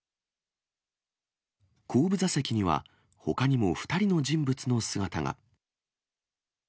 後部座席には、ほかにも２人の人物の姿が。